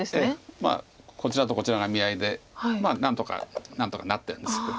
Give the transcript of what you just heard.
まあこちらとこちらが見合いで何とかなってるんですけど。